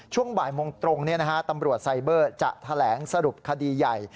ช่วงบ่ายโมงตรงตำรวจไซเบอร์จะแถลงสรุปคดีใหญ่